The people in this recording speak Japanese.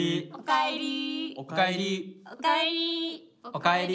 おかえり！